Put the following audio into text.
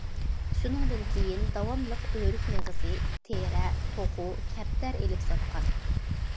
شۇنىڭدىن كېيىن، داۋاملىق ئۆرۈك مېغىزى، تېرە، توخۇ، كەپتەر ئېلىپ ساتقان.